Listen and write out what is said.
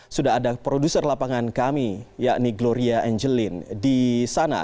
sudah ada produser lapangan kami yakni gloria angelin di sana